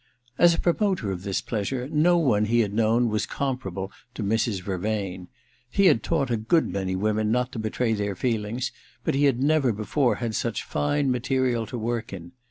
As a promoter of this pleasure no one he had known was comparable to Mrs. Vervain. He had THE DILETTANTE 267 taught a good many women not to betray their feelings, but he had never before had such fine material to work in.